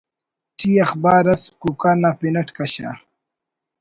ئی اخبار اس ”کوکار“ نا پن اٹ کشا